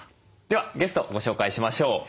ではゲストご紹介しましょう。